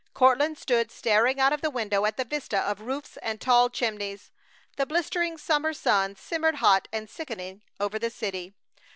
Courtland stood staring out of the window at the vista of roofs and tall chimneys. The blistering summer sun simmered hot and sickening over the city.